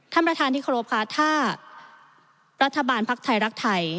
ท่านประธานที่เคารพค่ะถ้ารัฐบาลภักดิ์ไทยรักไทย